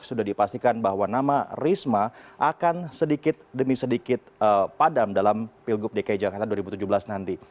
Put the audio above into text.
sudah dipastikan bahwa nama risma akan sedikit demi sedikit padam dalam pilgub dki jakarta dua ribu tujuh belas nanti